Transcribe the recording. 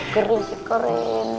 gering sih keren